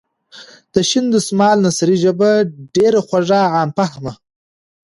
د شین دسمال نثري ژبه ډېره خوږه ،عام فهمه.